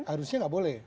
harusnya nggak boleh